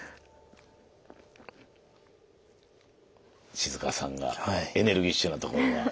静河さんがエネルギッシュなところが。